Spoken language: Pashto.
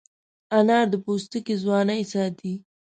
انار د پوستکي ځوانۍ ساتي.